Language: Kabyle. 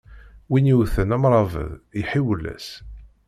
Win yewten amrabeḍ iḥiwel-as.